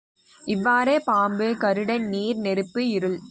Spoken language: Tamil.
இவ்வாறே பாம்பு, கருடன், நீர், நெருப்பு, இருள்.